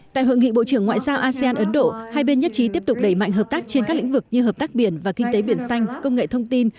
tại hội nghị bộ trưởng ngoại giao asean ấn độ hai bên nhất trí tiếp tục đẩy mạnh hợp tác trên các lĩnh vực như hợp tác biển và kinh tế biển xanh công nghệ thông tin